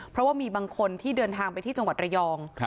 เพราะว่ามีบางคนที่เดินทางไปที่จังหวัดระยอง